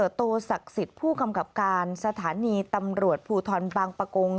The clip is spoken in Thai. โตศักดิ์สิทธิ์ผู้กำกับการสถานีตำรวจภูทรบางประกง